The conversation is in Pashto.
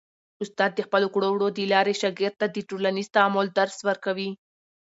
استاد د خپلو کړو وړو د لارې شاګرد ته د ټولنیز تعامل درس ورکوي.